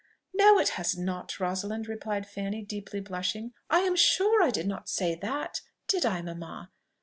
"No, it has not, Rosalind," replied Fanny, deeply blushing: "I am sure I did not say that, did I, mamma?